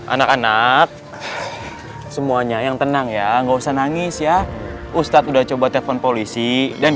anak anak semuanya yang tenang ya nggak usah nangis ya ustadz udah coba telepon polisi dan